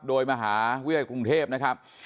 โดยมหาวิทยาลัยกรุงเทพนะครับ